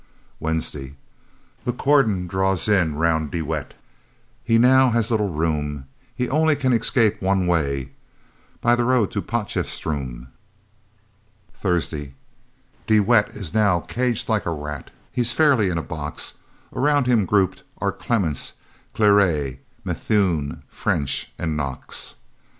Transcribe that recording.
Wednesday The cordon draws in round de Wet; he now has little room, He only can escape one way by road to Potchefstroom. Thursday De Wet is now caged like a rat, he's fairly in a box, Around him grouped are Clements, Cléry, Methuen, French, and Knox.